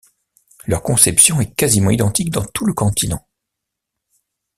Leur conception est quasiment identique dans tout le continent.